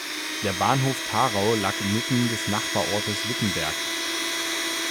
Der Bahnhof Tharau lag inmitten des Nachbarortes Wittenberg.